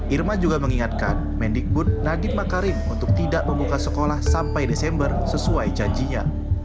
irma juga mengingatkan mendikbud nadiem makarim untuk tidak membuka sekolah sampai desember sesuai janjinya